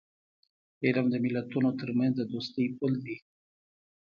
علم د ملتونو ترمنځ د دوستی پل دی.